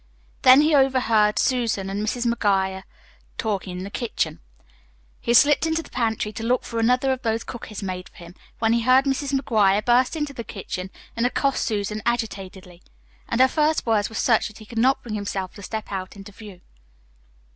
Then he overheard Susan and Mrs. McGuire talking in the kitchen. He had slipped into the pantry to look for another of those cookies made for him, when he heard Mrs. McGuire burst into the kitchen and accost Susan agitatedly. And her first words were such that he could not bring himself to step out into view.